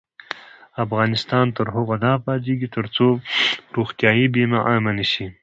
افغانستان تر هغو نه ابادیږي، ترڅو روغتیايي بیمه عامه نشي.